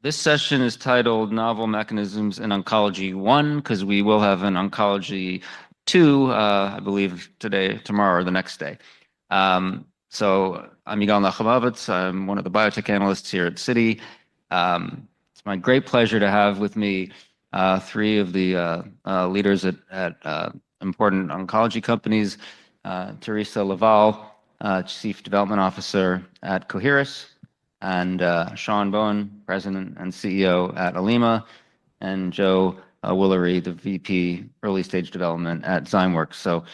This session is titled Novel Mechanisms in Oncology one, because we will have an Oncology two, I believe, today, tomorrow, or the next day. So I'm Yigal Nochomovitz. I'm one of the biotech analysts here at Citi. It's my great pleasure to have with me three of the leaders at important oncology companies: Theresa LaVallee, Chief Development Officer at Coherus, and Sean Bohen, President and CEO at Olema, and Joe Woolery, the VP, Early Stage Development at Zymeworks. So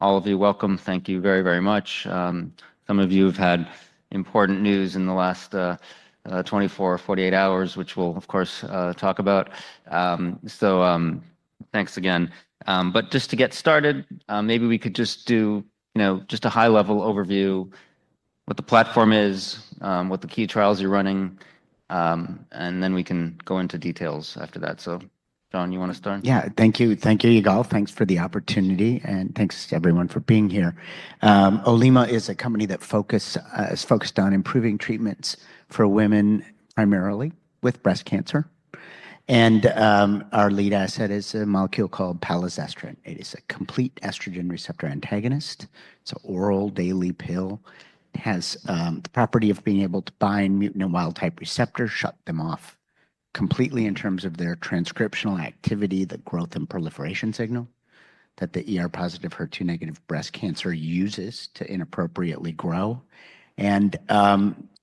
all of you, welcome. Thank you very, very much. Some of you have had important news in the last 24 or 48 hours, which we'll, of course, talk about. So thanks again. But just to get started, maybe we could just do just a high-level overview, what the platform is, what the key trials you're running, and then we can go into details after that. So Sean, you want to start? Yeah, thank you. Thank you, Yigal. Thanks for the opportunity. Thanks to everyone for being here. Olema is a company that is focused on improving treatments for women, primarily with breast cancer. Our lead asset is a molecule called palazestrant. It is a complete estrogen receptor antagonist. It is an oral daily pill. It has the property of being able to bind mutant and wild-type receptors, shut them off completely in terms of their transcriptional activity, the growth and proliferation signal that the positive, HER2 negative breast cancer uses to inappropriately grow, and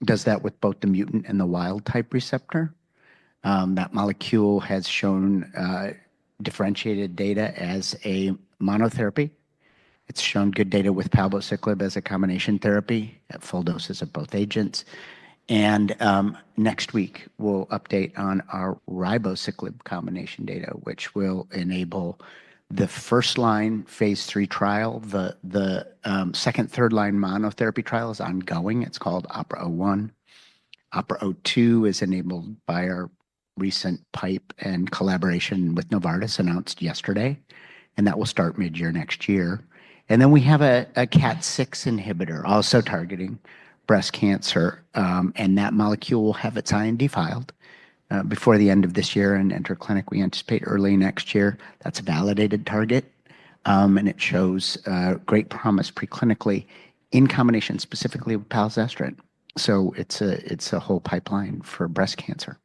does that with both the mutant and the wild-type receptor. That molecule has shown differentiated data as a monotherapy. It has shown good data with palbociclib as a combination therapy at full doses of both agents. Next week, we will update on our ribociclib combination data, which will enable the first line phase III trial. The second, third line monotherapy trial is ongoing. It's called OPERA-01. OPERA-02 is enabled by our recent PIPE and collaboration with Novartis announced yesterday. And that will start mid-year next year. And then we have a KAT6 inhibitor also targeting breast cancer. And that molecule will have its IND filed before the end of this year and enter clinic. We anticipate early next year. That's a validated target. And it shows great promise preclinically in combination specifically with palazestrant. So it's a whole pipeline for breast cancer.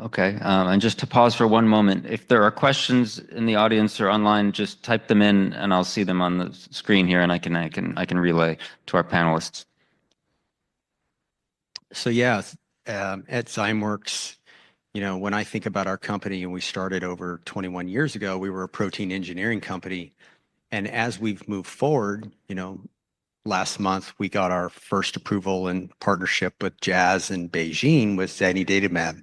OK. And just to pause for one moment, if there are questions in the audience or online, just type them in, and I'll see them on the screen here, and I can relay to our panelists. So yeah, at Zymeworks, when I think about our company, and we started over 21 years ago, we were a protein engineering company, and as we've moved forward, last month, we got our first approval and partnership with Jazz and BeiGene with zanidatamab.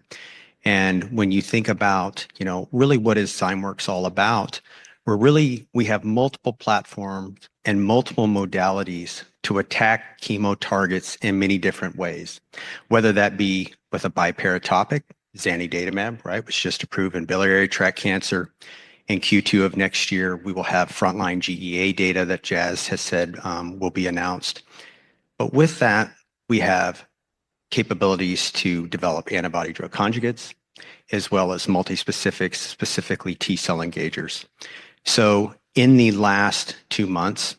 And when you think about really what is Zymeworks all about, we have multiple platforms and multiple modalities to attack chemo targets in many different ways, whether that be with a biparatopic, zanidatamab, right, which just approved in biliary tract cancer. In Q2 of next year, we will have frontline GEA data that Jazz has said will be announced, but with that, we have capabilities to develop antibody-drug conjugates, as well as multi-specifics, specifically T-cell engagers. So in the last two months,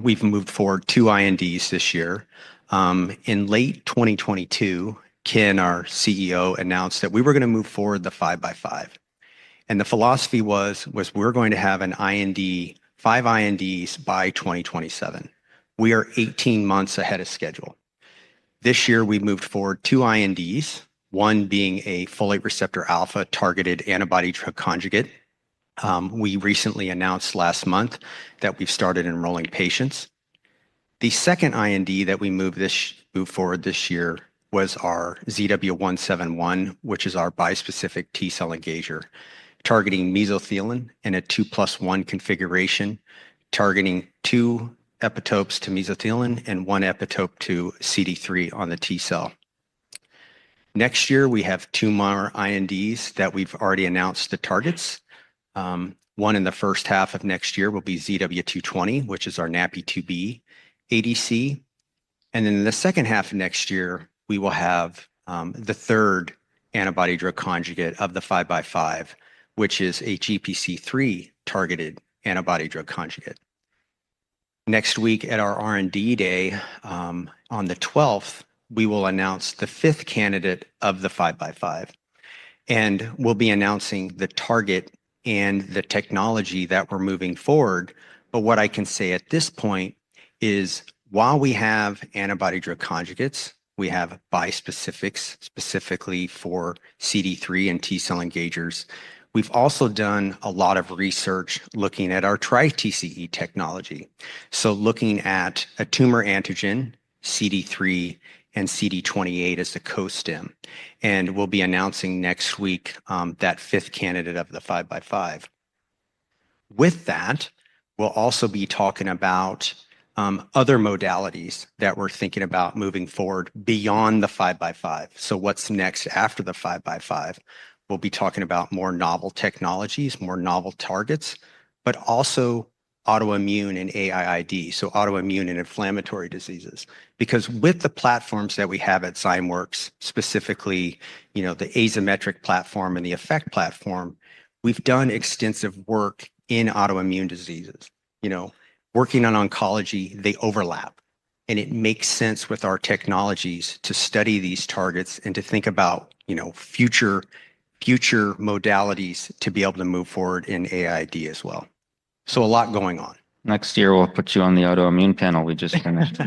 we've moved forward two INDs this year. In late 2022, Ken, our CEO, announced that we were going to move forward the five by five. The philosophy was, we're going to have five INDs by 2027. We are 18 months ahead of schedule. This year, we moved forward two INDs, one being a folate receptor alpha targeted antibody-drug conjugate. We recently announced last month that we've started enrolling patients. The second IND that we moved forward this year was our ZW171, which is our bispecific T-cell engager, targeting mesothelin in a 2+1 configuration, targeting two epitopes to mesothelin and one epitope to CD3 on the T-cell. Next year, we have two more INDs that we've already announced the targets. One in the first half of next year will be ZW220, which is our NaPi2b ADC. And then in the second half of next year, we will have the third antibody-drug conjugate of the five by five, which is a GPC3 targeted antibody-drug conjugate. Next week at our R&D day, on the 12th, we will announce the fifth candidate of the five by five, and we'll be announcing the target and the technology that we're moving forward. But what I can say at this point is, while we have antibody-drug conjugates, we have bispecifics, specifically for CD3 and T-cell engagers. We've also done a lot of research looking at our TriTCE technology, so looking at a tumor antigen, CD3 and CD28 as the co-stim, and we'll be announcing next week that fifth candidate of the five by five. With that, we'll also be talking about other modalities that we're thinking about moving forward beyond the five by five, so what's next after the five by five? We'll be talking about more novel technologies, more novel targets, but also autoimmune and AIID, so autoimmune and inflammatory diseases. Because with the platforms that we have at Zymeworks, specifically the Azymetric platform and the EFECT platform, we've done extensive work in autoimmune diseases. Working on oncology, they overlap. And it makes sense with our technologies to study these targets and to think about future modalities to be able to move forward in AIID as well. So a lot going on. Next year, we'll put you on the autoimmune panel we just finished.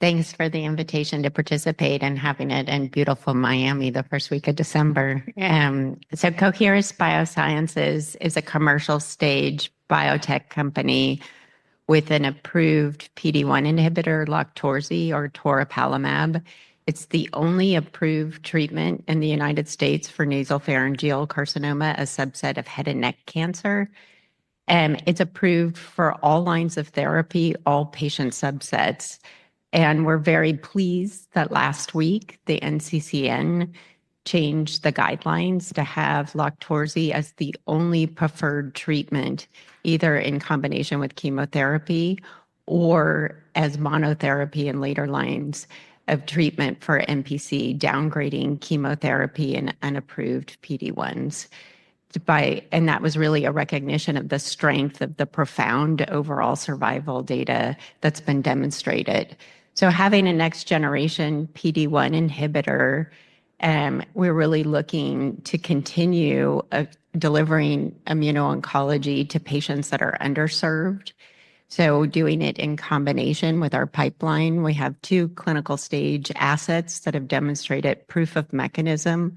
Thanks for the invitation to participate and having it in beautiful Miami the first week of December. Coherus BioSciences is a commercial stage biotech company with an approved PD-1 inhibitor, Loqtorzi, or toripalimab. It's the only approved treatment in the United States for nasopharyngeal carcinoma, a subset of head and neck cancer. It's approved for all lines of therapy, all patient subsets. We're very pleased that last week, the NCCN changed the guidelines to have Loqtorzi as the only preferred treatment, either in combination with chemotherapy or as monotherapy in later lines of treatment for NPC, downgrading chemotherapy and unapproved PD-1s. That was really a recognition of the strength of the profound overall survival data that's been demonstrated. Having a next-generation PD-1 inhibitor, we're really looking to continue delivering immuno-oncology to patients that are underserved. So doing it in combination with our pipeline, we have two clinical stage assets that have demonstrated proof of mechanism,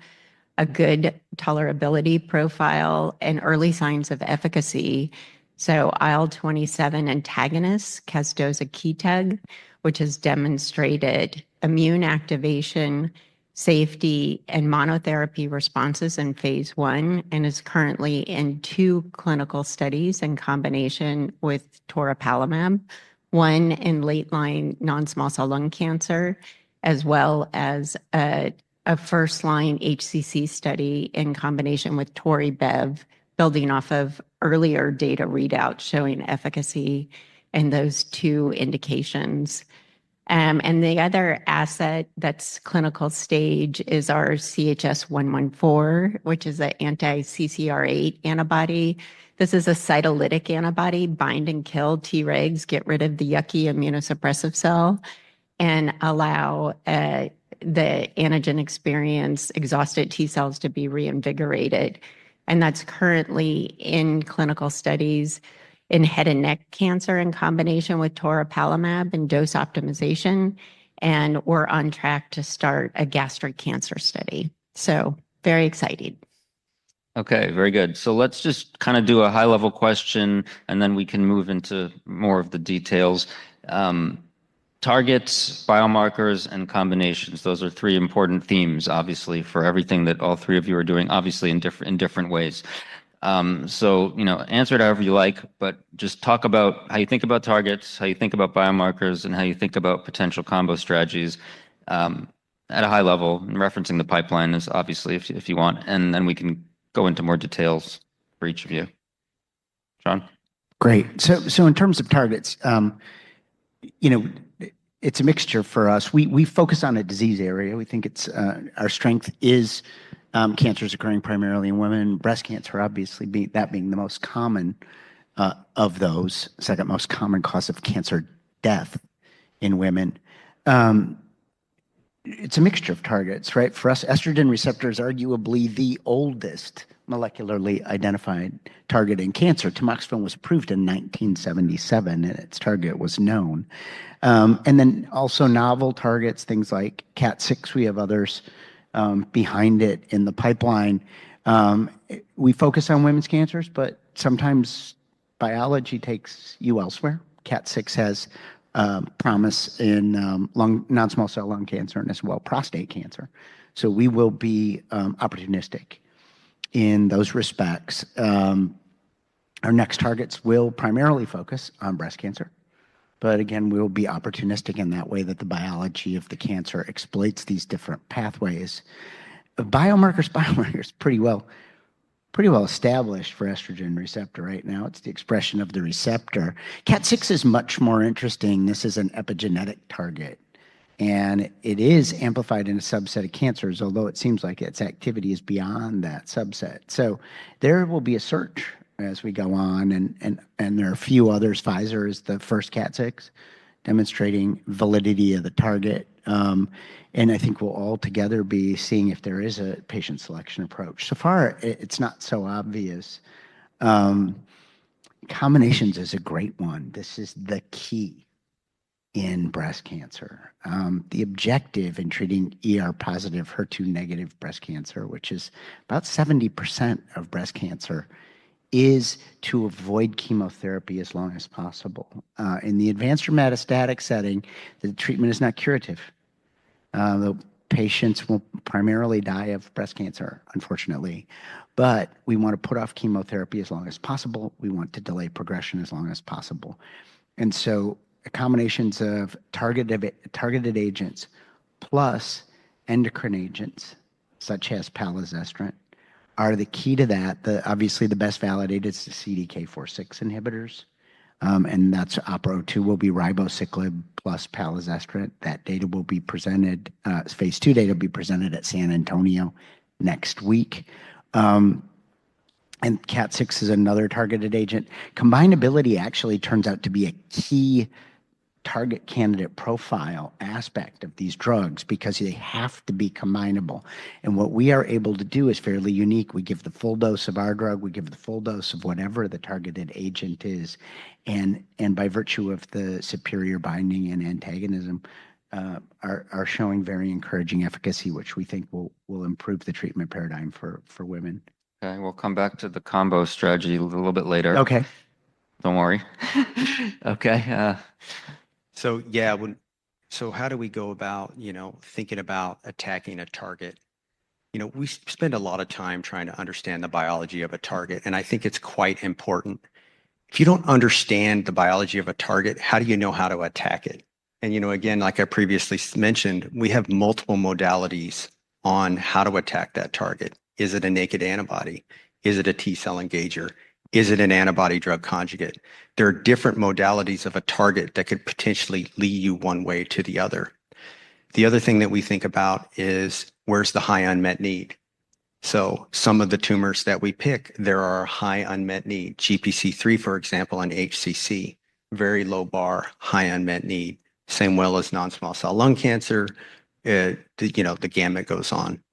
a good tolerability profile, and early signs of efficacy. So IL-27 antagonist, casdozokitug, which has demonstrated immune activation, safety, and monotherapy responses in phase I, and is currently in two clinical studies in combination with toripalimab, one in late-line non-small cell lung cancer, as well as a first-line HCC study in combination with ToriBev, building off of earlier data readouts showing efficacy in those two indications. And the other asset that's clinical stage is our CHS-114, which is an anti-CCR8 antibody. This is a cytolytic antibody, bind and kill Tregs, get rid of the yucky immunosuppressive cell, and allow the antigen-experienced exhausted T cells to be reinvigorated. And that's currently in clinical studies in head and neck cancer in combination with toripalimab and dose optimization. We're on track to start a gastric cancer study. Very exciting. OK, very good. So let's just kind of do a high-level question, and then we can move into more of the details. Targets, biomarkers, and combinations, those are three important themes, obviously, for everything that all three of you are doing, obviously, in different ways. So answer it however you like, but just talk about how you think about targets, how you think about biomarkers, and how you think about potential combo strategies at a high level, referencing the pipeline, obviously, if you want. And then we can go into more details for each of you. Sean? Great. So in terms of targets, it's a mixture for us. We focus on a disease area. We think our strength is cancers occurring primarily in women, breast cancer, obviously, that being the most common of those, second most common cause of cancer death in women. It's a mixture of targets, right? For us, estrogen receptor is arguably the oldest molecularly identified target in cancer. Tamoxifen was approved in 1977, and its target was known. And then also novel targets, things like KAT6. We have others behind it in the pipeline. We focus on women's cancers, but sometimes biology takes you elsewhere. KAT6 has promise in non-small cell lung cancer and as well prostate cancer. So we will be opportunistic in those respects. Our next targets will primarily focus on breast cancer. But again, we'll be opportunistic in that way that the biology of the cancer exploits these different pathways. Biomarkers, biomarkers pretty well established for estrogen receptor right now. It's the expression of the receptor. KAT6 is much more interesting. This is an epigenetic target, and it is amplified in a subset of cancers, although it seems like its activity is beyond that subset, so there will be a search as we go on, and there are a few others. Pfizer is the first KAT6 demonstrating validity of the target, and I think we'll all together be seeing if there is a patient selection approach. So far, it's not so obvious. Combinations is a great one. This is the key in breast cancer. The objective in treating ER-positive, HER2-negative breast cancer, which is about 70% of breast cancer, is to avoid chemotherapy as long as possible. In the advanced or metastatic setting, the treatment is not curative. The patients will primarily die of breast cancer, unfortunately. But we want to put off chemotherapy as long as possible. We want to delay progression as long as possible. And so combinations of targeted agents plus endocrine agents, such as palazestrant, are the key to that. Obviously, the best validated is the CDK4/6 inhibitors. And that's OPERA-02 will be ribociclib plus palazestrant. That data will be presented, phase II data will be presented at San Antonio next week. And KAT6 is another targeted agent. Combinability actually turns out to be a key target candidate profile aspect of these drugs because they have to be combinable. And what we are able to do is fairly unique. We give the full dose of our drug. We give the full dose of whatever the targeted agent is. And by virtue of the superior binding and antagonism, are showing very encouraging efficacy, which we think will improve the treatment paradigm for women. OK. We'll come back to the combo strategy a little bit later. OK. Don't worry. OK. So yeah, so how do we go about thinking about attacking a target? We spend a lot of time trying to understand the biology of a target. And I think it's quite important. If you don't understand the biology of a target, how do you know how to attack it? And again, like I previously mentioned, we have multiple modalities on how to attack that target. Is it a naked antibody? Is it a T-cell engager? Is it an antibody-drug conjugate? There are different modalities of a target that could potentially lead you one way to the other. The other thing that we think about is, where's the high unmet need? So some of the tumors that we pick, there are high unmet need, GPC3, for example, and HCC, very low bar, high unmet need, as well as non-small cell lung cancer. The gamut goes on.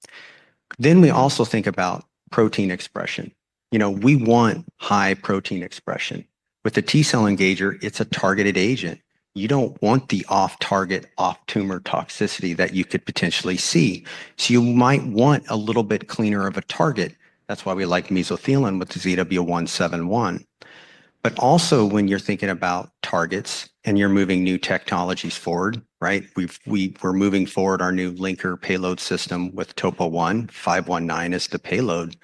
Then we also think about protein expression. We want high protein expression. With the T-cell engager, it's a targeted agent. You don't want the off-target, off-tumor toxicity that you could potentially see. So you might want a little bit cleaner of a target. That's why we like mesothelin with the ZW171. But also, when you're thinking about targets and you're moving new technologies forward, right? We're moving forward our new linker payload system with Topo 1. 519 is the payload.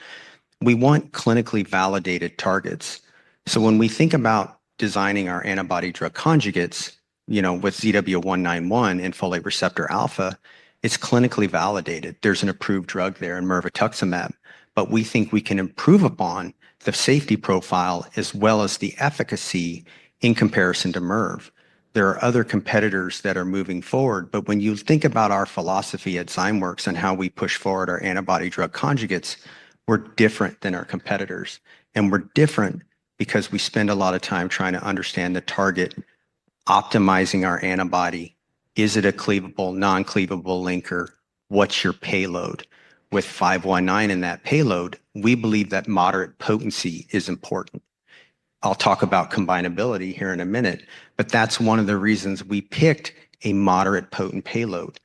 We want clinically validated targets. So when we think about designing our antibody-drug conjugates with ZW191 and folate receptor alpha, it's clinically validated. There's an approved drug there, mirvetuximab. But we think we can improve upon the safety profile as well as the efficacy in comparison to Merv. There are other competitors that are moving forward. But when you think about our philosophy at Zymeworks and how we push forward our antibody-drug conjugates, we're different than our competitors, and we're different because we spend a lot of time trying to understand the target, optimizing our antibody. Is it a cleavable, non-cleavable linker? What's your payload? With 519 in that payload, we believe that moderate potency is important. I'll talk about combinability here in a minute, but that's one of the reasons we picked a moderate potent payload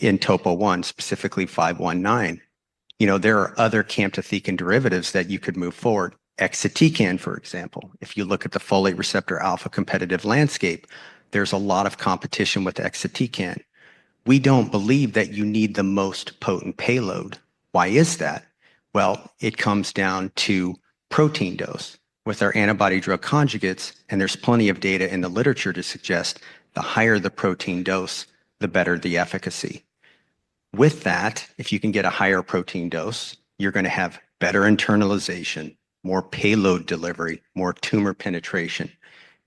in Topo I, specifically 519. There are other camptothecin derivatives that you could move forward, exatecan, for example. If you look at the folate receptor alpha competitive landscape, there's a lot of competition with exatecan. We don't believe that you need the most potent payload. Why is that? Well, it comes down to protein dose. With our antibody-drug conjugates, and there's plenty of data in the literature to suggest the higher the protein dose, the better the efficacy. With that, if you can get a higher protein dose, you're going to have better internalization, more payload delivery, more tumor penetration.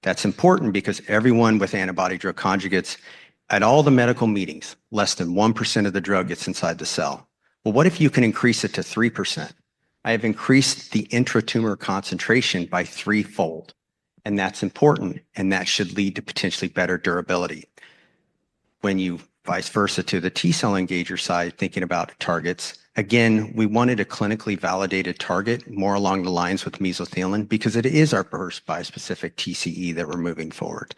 That's important because everyone with antibody-drug conjugates, at all the medical meetings, less than 1% of the drug gets inside the cell. Well, what if you can increase it to 3%? I have increased the intratumor concentration by threefold. That's important. That should lead to potentially better durability. When you vice versa to the T-cell engager side, thinking about targets, again, we wanted a clinically validated target more along the lines with mesothelin because it is our first bispecific TCE that we're moving forward.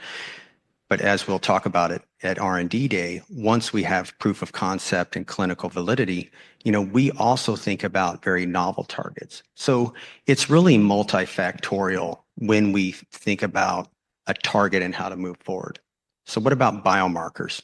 But as we'll talk about it at R&D day, once we have proof of concept and clinical validity, we also think about very novel targets. So it's really multifactorial when we think about a target and how to move forward. So what about biomarkers?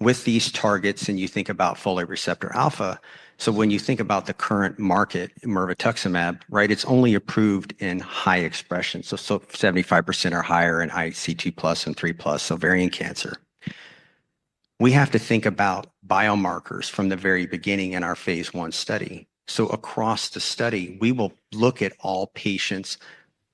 With these targets, and you think about folate receptor alpha, so when you think about the current market, mirvetuximab, right, it's only approved in high expression. So 75% or higher in IHC plus and three plus ovarian cancer. We have to think about biomarkers from the very beginning in our phase I study. So across the study, we will look at all patients'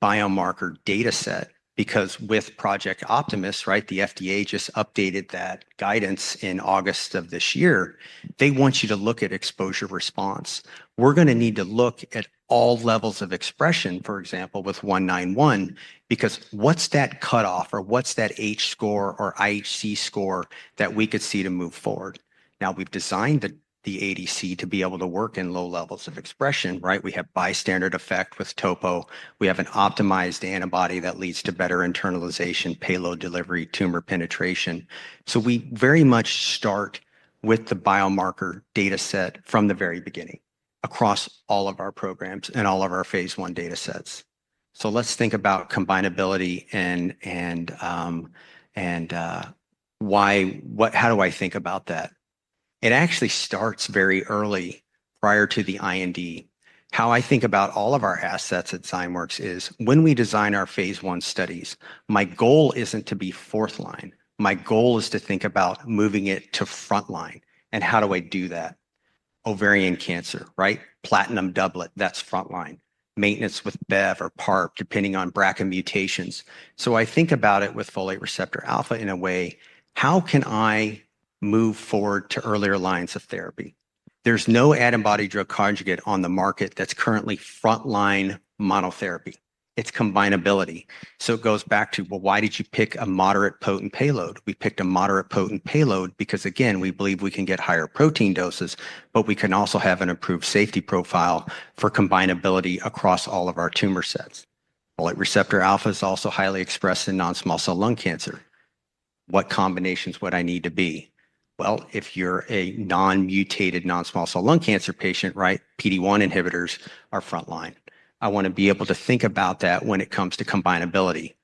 biomarker data set because with Project Optimus, right, the FDA just updated that guidance in August of this year. They want you to look at exposure response. We're going to need to look at all levels of expression, for example, with 191, because what's that cutoff or what's that H score or IHC score that we could see to move forward? Now, we've designed the ADC to be able to work in low levels of expression, right? We have bystander effect with Topo. We have an optimized antibody that leads to better internalization, payload delivery, tumor penetration. So we very much start with the biomarker data set from the very beginning across all of our programs and all of our phase I data sets. So let's think about combinability and why, how do I think about that? It actually starts very early prior to the IND. How I think about all of our assets at Zymeworks is when we design our phase I studies, my goal isn't to be fourth line. My goal is to think about moving it to frontline. And how do I do that? Ovarian cancer, right? Platinum doublet, that's frontline. Maintenance with BEV or PARP, depending on BRCA mutations. So I think about it with folate receptor alpha in a way, how can I move forward to earlier lines of therapy? There's no antibody-drug conjugate on the market that's currently frontline monotherapy. It's combinability. So it goes back to, well, why did you pick a moderate potent payload? We picked a moderate potent payload because, again, we believe we can get higher protein doses, but we can also have an improved safety profile for combinability across all of our tumor sets. Folate receptor alpha is also highly expressed in non-small cell lung cancer. What combinations would I need to be? Well, if you're a non-mutated non-small cell lung cancer patient, right, PD-1 inhibitors are frontline. I want to be able to think about that when it comes to combinability.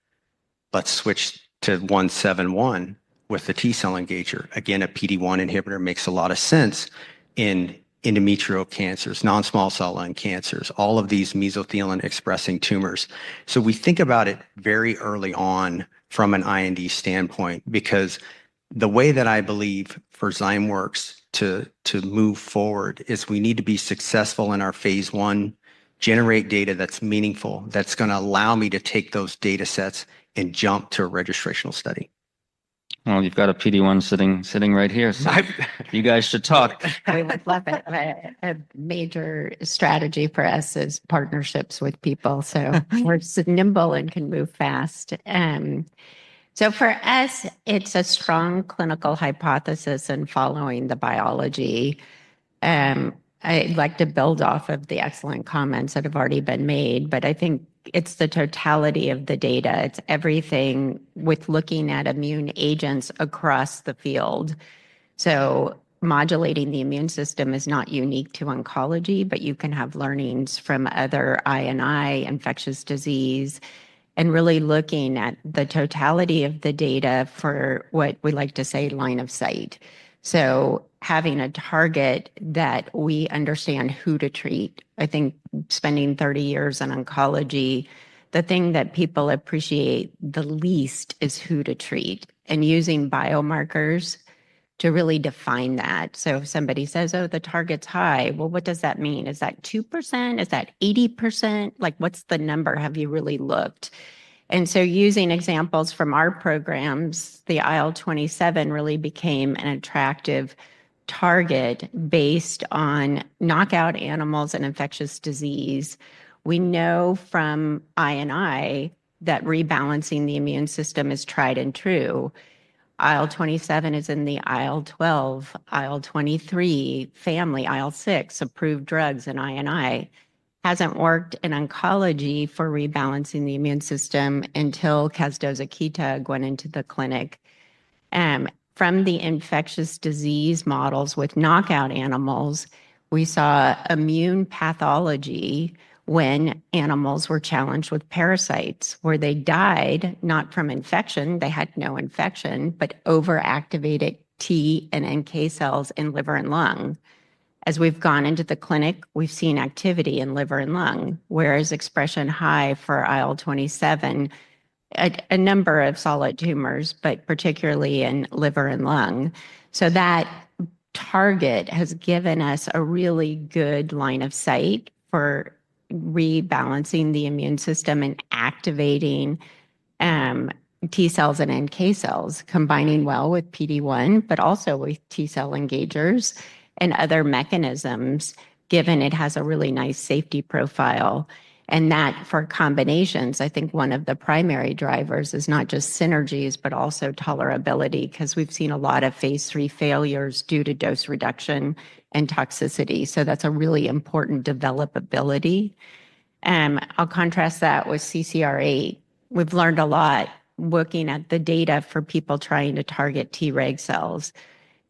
Let's switch to ZW171 with the T-cell engager. Again, a PD-1 inhibitor makes a lot of sense in endometrial cancers, non-small cell lung cancers, all of these mesothelin-expressing tumors. So we think about it very early on from an IND standpoint because the way that I believe for Zymeworks to move forward is we need to be successful in our phase I, generate data that's meaningful, that's going to allow me to take those data sets and jump to a registrational study. Well, you've got a PD-1 sitting right here. You guys should talk. We would love it. A major strategy for us is partnerships with people so we're nimble and can move fast, so for us, it's a strong clinical hypothesis and following the biology. I'd like to build off of the excellent comments that have already been made, but I think it's the totality of the data. It's everything with looking at immune agents across the field. So modulating the immune system is not unique to oncology, but you can have learnings from other areas in infectious disease, and really looking at the totality of the data for what we like to say line of sight, so having a target that we understand who to treat. I think spending 30 years in oncology, the thing that people appreciate the least is who to treat and using biomarkers to really define that. So if somebody says, oh, the target's high, well, what does that mean? Is that 2%? Is that 80%? Like, what's the number? Have you really looked? And so using examples from our programs, the IL-27 really became an attractive target based on knockout animals and infectious disease. We know from IO that rebalancing the immune system is tried and true. IL-27 is in the IL-12, IL-23 family, IL-6 approved drugs in IO. Hasn't worked in oncology for rebalancing the immune system until casdozokitug went into the clinic. From the infectious disease models with knockout animals, we saw immune pathology when animals were challenged with parasites where they died not from infection. They had no infection, but overactivated T and NK cells in liver and lung. As we've gone into the clinic, we've seen activity in liver and lung, whereas expression high for IL-27, a number of solid tumors, but particularly in liver and lung. So that target has given us a really good line of sight for rebalancing the immune system and activating T cells and NK cells, combining well with PD-1, but also with T-cell engagers and other mechanisms, given it has a really nice safety profile. And that for combinations, I think one of the primary drivers is not just synergies, but also tolerability because we've seen a lot of phase III failures due to dose reduction and toxicity. So that's a really important developability. I'll contrast that with CCR8. We've learned a lot looking at the data for people trying to target Treg cells.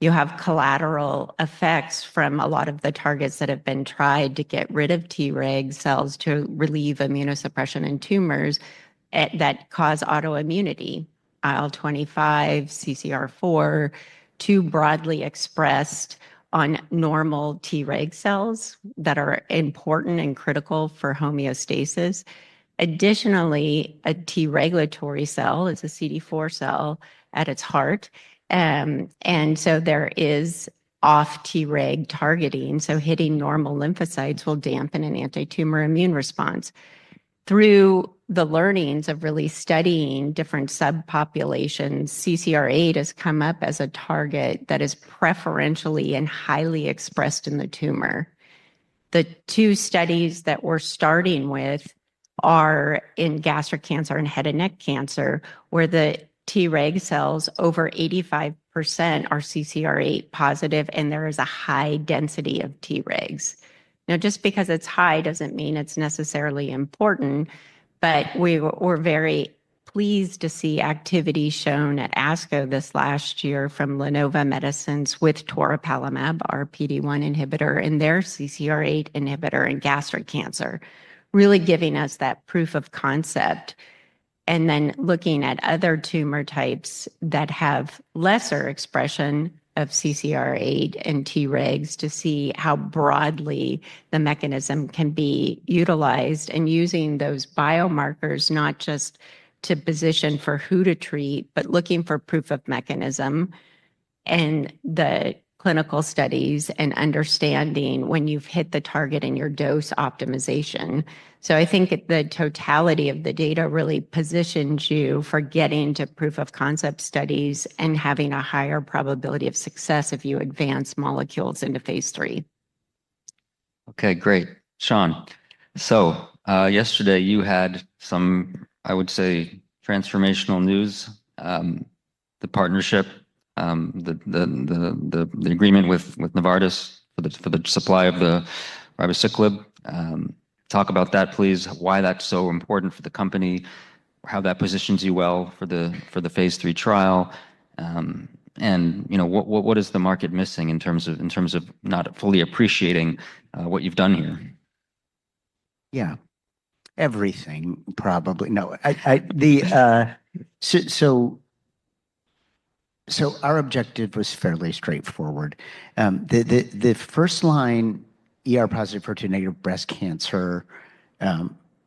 You have collateral effects from a lot of the targets that have been tried to get rid of Treg cells to relieve immunosuppression in tumors that cause autoimmunity. IL-25, CCR4, too broadly expressed on normal Treg cells that are important and critical for homeostasis. Additionally, a T regulatory cell is a CD4 cell at its heart, and so there is off-Treg targeting. So hitting normal lymphocytes will dampen an anti-tumor immune response. Through the learnings of really studying different subpopulations, CCR8 has come up as a target that is preferentially and highly expressed in the tumor. The two studies that we're starting with are in gastric cancer and head and neck cancer, where the Treg cells over 85% are CCR8 positive, and there is a high density of Tregs. Now, just because it's high doesn't mean it's necessarily important, but we were very pleased to see activity shown at ASCO this last year from Lanova Medicines with toripalimab, our PD-1 inhibitor and their CCR8 inhibitor in gastric cancer, really giving us that proof of concept, and then looking at other tumor types that have lesser expression of CCR8 and Tregs to see how broadly the mechanism can be utilized and using those biomarkers not just to position for who to treat, but looking for proof of mechanism and the clinical studies and understanding when you've hit the target and your dose optimization, so I think the totality of the data really positions you for getting to proof of concept studies and having a higher probability of success if you advance molecules into phase III. Okay, great. Sean, so yesterday you had some, I would say, transformational news. The partnership, the agreement with Novartis for the supply of the ribociclib. Talk about that, please. Why that's so important for the company, how that positions you well for the phase III trial. And what is the market missing in terms of not fully appreciating what you've done here? Yeah, everything probably. No, so our objective was fairly straightforward. The first-line ER-positive HER2-negative breast cancer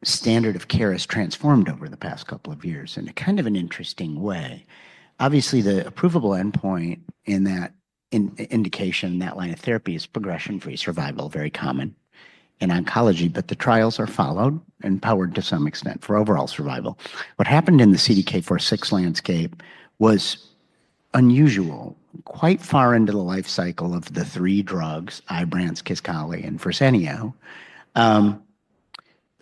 standard of care has transformed over the past couple of years in a kind of an interesting way. Obviously, the approvable endpoint in that indication, that line of therapy is progression-free survival, very common in oncology, but the trials are followed and powered to some extent for overall survival. What happened in the CDK4/6 landscape was unusual. Quite far into the life cycle of the three drugs, Ibrance, Kisqali, and Verzenio,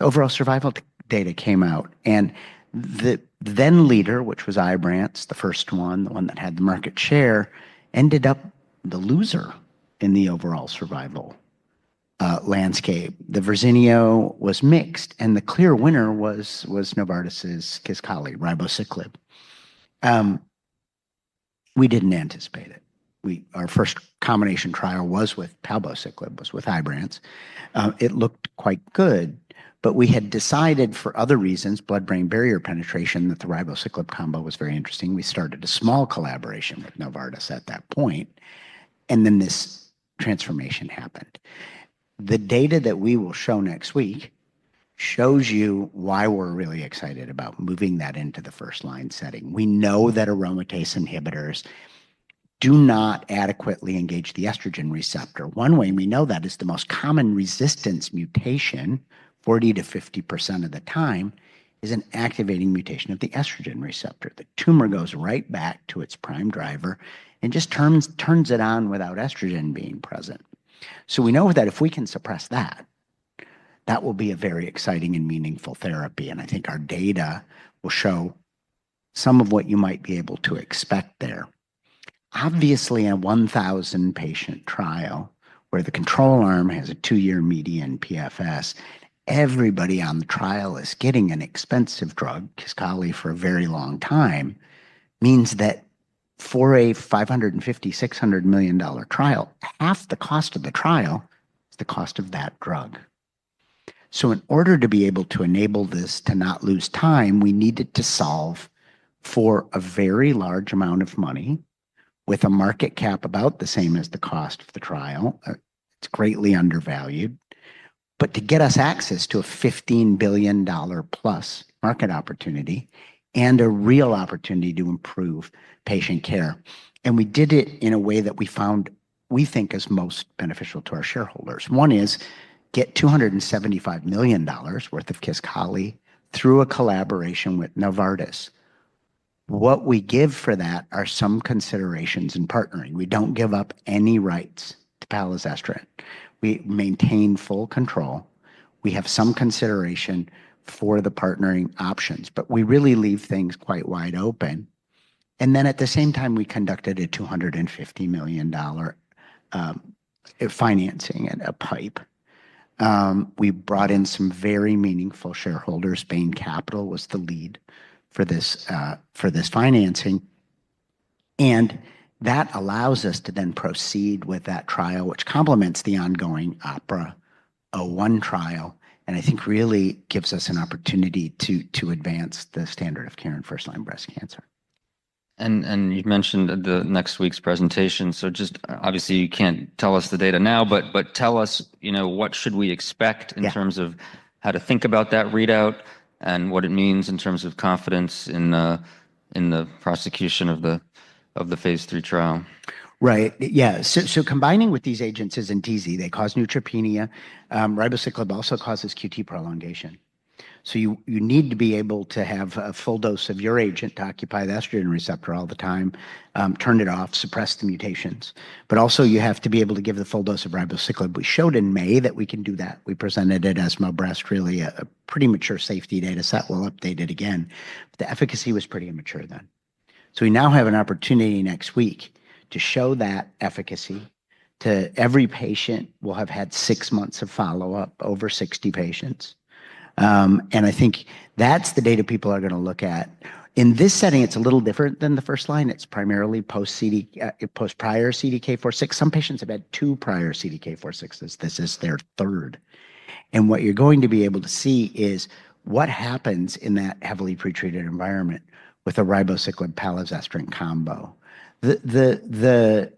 overall survival data came out. And the then leader, which was Ibrance, the first one, the one that had the market share, ended up the loser in the overall survival landscape. The Verzenio was mixed, and the clear winner was Novartis's Kisqali ribociclib. We didn't anticipate it. Our first combination trial was with palbociclib, was with Ibrance. It looked quite good, but we had decided for other reasons, blood-brain barrier penetration, that the ribociclib combo was very interesting. We started a small collaboration with Novartis at that point. And then this transformation happened. The data that we will show next week shows you why we're really excited about moving that into the first line setting. We know that aromatase inhibitors do not adequately engage the estrogen receptor. One way we know that is the most common resistance mutation, 40%-50% of the time, is an activating mutation of the estrogen receptor. The tumor goes right back to its prime driver and just turns it on without estrogen being present. So we know that if we can suppress that, that will be a very exciting and meaningful therapy. And I think our data will show some of what you might be able to expect there. Obviously, a 1,000-patient trial where the control arm has a two-year median PFS, everybody on the trial is getting an expensive drug, Kisqali, for a very long time, means that for a $550 million-$600 million trial, half the cost of the trial is the cost of that drug. So in order to be able to enable this to not lose time, we needed to solve for a very large amount of money with a market cap about the same as the cost of the trial. It's greatly undervalued but to get us access to a $15 billion-plus market opportunity and a real opportunity to improve patient care and we did it in a way that we found, we think, is most beneficial to our shareholders. One is get $275 million worth of Kisqali through a collaboration with Novartis. What we give for that are some considerations in partnering. We don't give up any rights to palazestrant. We maintain full control. We have some consideration for the partnering options, but we really leave things quite wide open, and then at the same time, we conducted a $250 million financing and a PIPE. We brought in some very meaningful shareholders. Bain Capital was the lead for this financing, and that allows us to then proceed with that trial, which complements the ongoing OPERA-01 trial, and I think really gives us an opportunity to advance the standard of care in first-line breast cancer. You mentioned the next week's presentation. Just obviously, you can't tell us the data now, but tell us what should we expect in terms of how to think about that readout and what it means in terms of confidence in the prosecution of the phase III trial. Right. Yeah. So combining with these agents isn't easy. They cause neutropenia. Ribociclib also causes QT prolongation. So you need to be able to have a full dose of your agent to occupy the estrogen receptor all the time, turn it off, suppress the mutations. But also you have to be able to give the full dose of ribociclib. We showed in May that we can do that. We presented it. As more robust, really a pretty mature safety data set. We'll update it again. The efficacy was pretty immature then. So we now have an opportunity next week to show that efficacy to every patient. We'll have had six months of follow-up, over 60 patients. And I think that's the data people are going to look at. In this setting, it's a little different than the first line. It's primarily post-prior CDK4/6. Some patients have had two prior CDK4/6s. This is their third, and what you're going to be able to see is what happens in that heavily pretreated environment with a ribociclib-palazestrant combo. The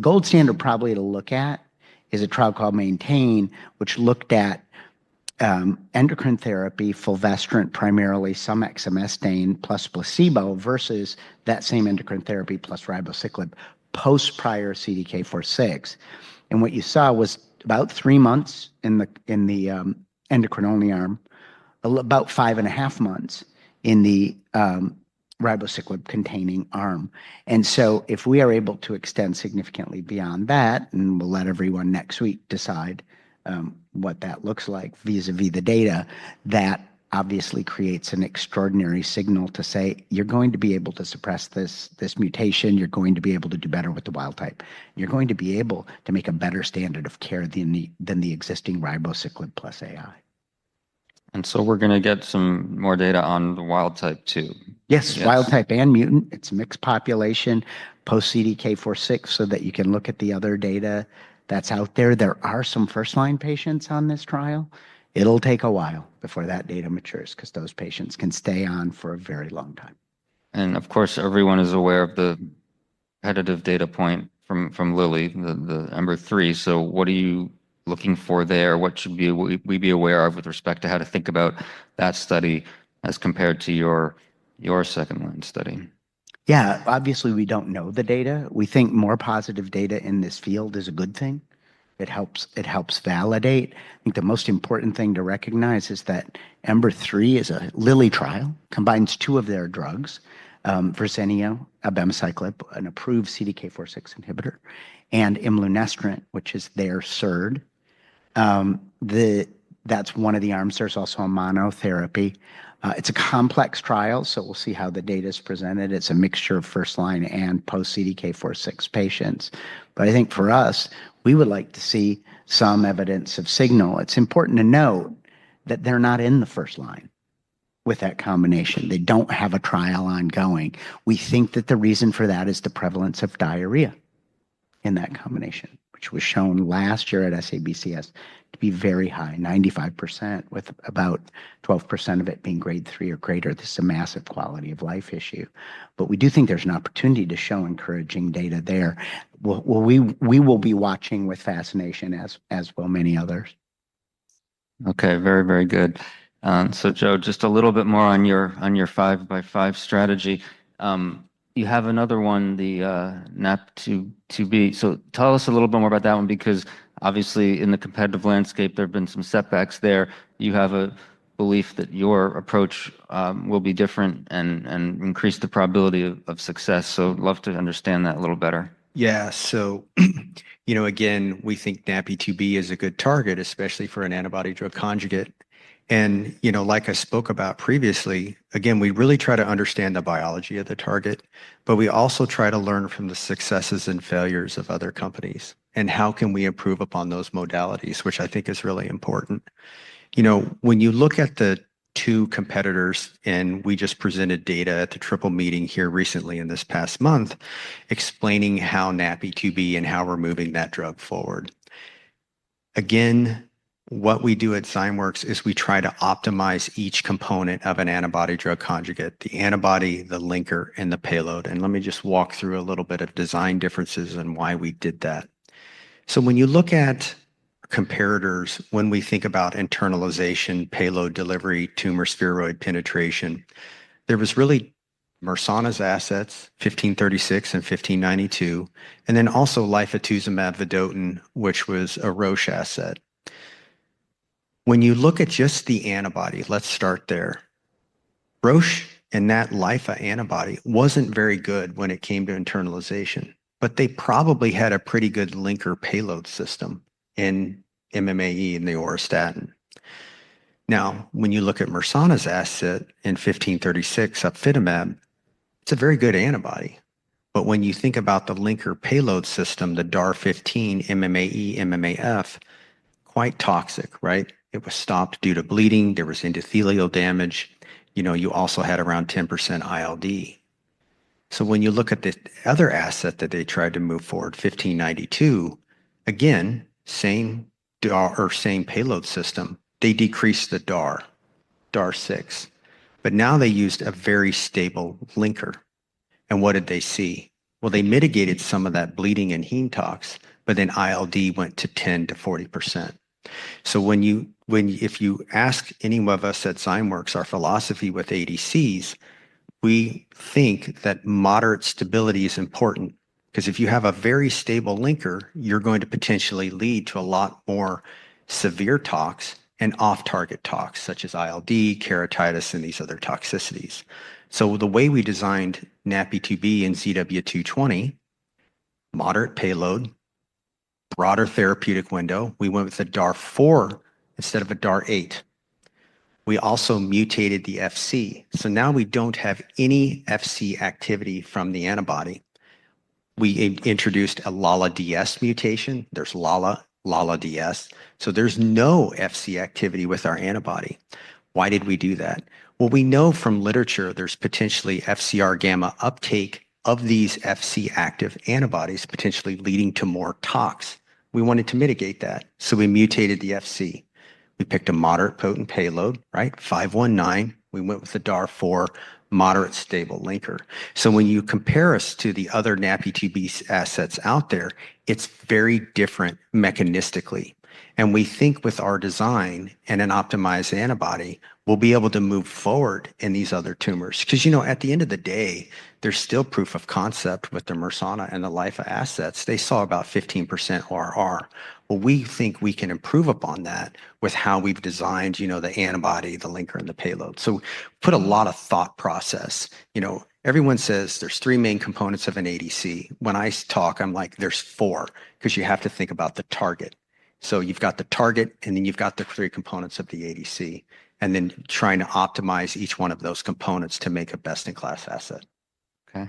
gold standard probably to look at is a trial called MAINTAIN, which looked at endocrine therapy, fulvestrant primarily, some exemestane plus placebo versus that same endocrine therapy plus ribociclib post-prior CDK4/6, and what you saw was about three months in the endocrine only arm, about five and a half months in the ribociclib-containing arm. And so if we are able to extend significantly beyond that, and we'll let everyone next week decide what that looks like vis-à-vis the data, that obviously creates an extraordinary signal to say, you're going to be able to suppress this mutation. You're going to be able to do better with the wild type. You're going to be able to make a better standard of care than the existing ribociclib plus AI. And so we're going to get some more data on the wild type too. Yes, wild type and mutant. It's a mixed population post-CDK4/6 so that you can look at the other data that's out there. There are some first-line patients on this trial. It'll take a while before that data matures because those patients can stay on for a very long time. Of course, everyone is aware of the additive data point from Lilly, the number three. So what are you looking for there? What should we be aware of with respect to how to think about that study as compared to your second-line study? Yeah, obviously, we don't know the data. We think more positive data in this field is a good thing. It helps validate. I think the most important thing to recognize is that EMBER-3 is a Lilly trial, combines two of their drugs, fulvestrant, abemaciclib, an approved CDK4/6 inhibitor, and imlunestrant, which is their third. That's one of the arms. There's also a monotherapy. It's a complex trial, so we'll see how the data is presented. It's a mixture of first-line and post-CDK4/6 patients. But I think for us, we would like to see some evidence of signal. It's important to note that they're not in the first line with that combination. They don't have a trial ongoing. We think that the reason for that is the prevalence of diarrhea in that combination, which was shown last year at SABCS to be very high, 95%, with about 12% of it being grade three or greater. This is a massive quality of life issue. But we do think there's an opportunity to show encouraging data there. We will be watching with fascination as well as many others. Okay, very, very good. So Joe, just a little bit more on your five-by-five strategy. You have another one, the NaPi2b. So tell us a little bit more about that one because obviously in the competitive landscape, there have been some setbacks there. You have a belief that your approach will be different and increase the probability of success. So I'd love to understand that a little better. Yeah. So again, we think NaPi2b is a good target, especially for an antibody-drug conjugate. And like I spoke about previously, again, we really try to understand the biology of the target, but we also try to learn from the successes and failures of other companies and how can we improve upon those modalities, which I think is really important. When you look at the two competitors, and we just presented data at the triple meeting here recently in this past month explaining how NaPi2b and how we're moving that drug forward. Again, what we do at Zymeworks is we try to optimize each component of an antibody-drug conjugate: the antibody, the linker, and the payload. And let me just walk through a little bit of design differences and why we did that. So when you look at comparators, when we think about internalization, payload delivery, tumor spheroid penetration, there was really Mersana's assets, XMT-1536 and XMT-1592, and then also Lifa vedotin, which was a Roche asset. When you look at just the antibody, let's start there. Roche and that Lifa antibody wasn't very good when it came to internalization, but they probably had a pretty good linker payload system in MMAE and the auristatin. Now, when you look at Mersana's asset in XMT-1536, upifitamab, it's a very good antibody. But when you think about the linker payload system, the DAR15, MMAE, MMAF, quite toxic, right? It was stopped due to bleeding. There was endothelial damage. You also had around 10% ILD. So when you look at the other asset that they tried to move forward, XMT-1592, again, same payload system, they decreased the DAR, DAR6, but now they used a very stable linker. And what did they see? Well, they mitigated some of that bleeding and heme tox, but then ILD went to 10%-40%. So if you ask any one of us at Zymeworks, our philosophy with ADCs, we think that moderate stability is important because if you have a very stable linker, you're going to potentially lead to a lot more severe tox and off-target tox such as ILD, keratitis, and these other toxicities. So the way we designed NaPi2b and ZW220, moderate payload, broader therapeutic window, we went with a DAR4 instead of a DAR8. We also mutated the Fc. So now we don't have any Fc activity from the antibody. We introduced a LALA-DS mutation. There's LALA, LALAPG. So there's no Fc activity with our antibody. Why did we do that? Well, we know from literature there's potentially FcR gamma uptake of these Fc active antibodies potentially leading to more tox. We wanted to mitigate that, so we mutated the Fc. We picked a moderate potent payload, right? 519. We went with the DAR4, moderate stable linker. So when you compare us to the other NaPi2b assets out there, it's very different mechanistically. And we think with our design and an optimized antibody, we'll be able to move forward in these other tumors. Because at the end of the day, there's still proof of concept with the Mersana and the Lifa assets. They saw about 15% RR. Well, we think we can improve upon that with how we've designed the antibody, the linker, and the payload. So put a lot of thought process. Everyone says there's three main components of an ADC. When I talk, I'm like, there's four because you have to think about the target, so you've got the target, and then you've got the three components of the ADC, and then trying to optimize each one of those components to make a best-in-class asset. Okay.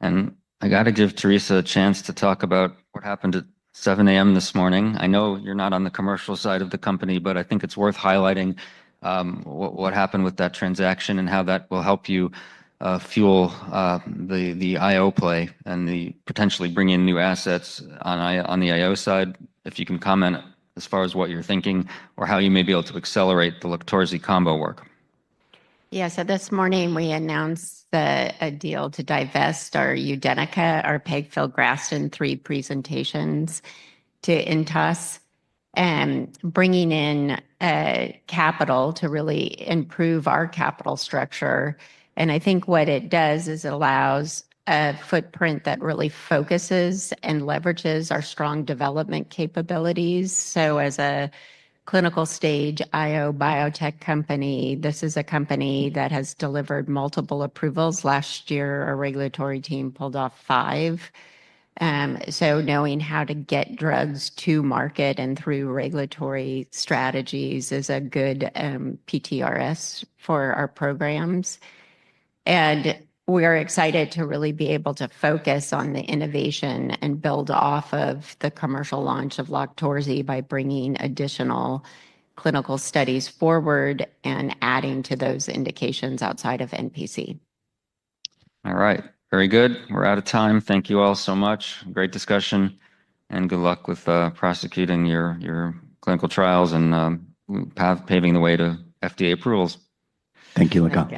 And I got to give Theresa a chance to talk about what happened at 7:00 A.M. this morning. I know you're not on the commercial side of the company, but I think it's worth highlighting what happened with that transaction and how that will help you fuel the IO play and potentially bring in new assets on the IO side, if you can comment as far as what you're thinking or how you may be able to accelerate the Loqtorzi combo work. Yes. So this morning, we announced a deal to divest our Udenyca, our pegfilgrastim presentations to Intas, bringing in capital to really improve our capital structure. And I think what it does is it allows a footprint that really focuses and leverages our strong development capabilities. So as a clinical stage IO biotech company, this is a company that has delivered multiple approvals. Last year, our regulatory team pulled off five. So knowing how to get drugs to market and through regulatory strategies is a good plus for our programs. And we are excited to really be able to focus on the innovation and build off of the commercial launch of Loqtorzi by bringing additional clinical studies forward and adding to those indications outside of NPC. All right. Very good. We're out of time. Thank you all so much. Great discussion, and good luck with prosecuting your clinical trials and paving the way to FDA approvals. Thank you, Yigal.